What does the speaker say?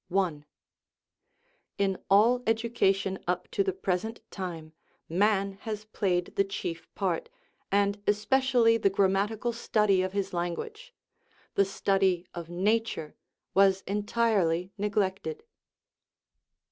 I. In all education up to the present time man has played the chief part, and especially the grammatical 362 OUR MONISTIC ETHICS study of his language ; the study of nature was entirely neglected.